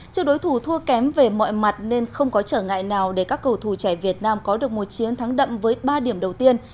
trước đối thủ thua kém về mọi mặt nên không có trở ngại nào để các cầu thủ trẻ việt nam có được một chiến thắng đậm với ba điểm đầu tiên